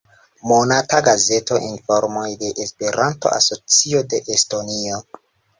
Monata gazeto: "Informoj de Esperanto-Asocio de Estonio".